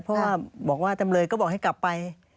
เพราะว่าบอกว่าจำเลยก็บอกให้กลับไป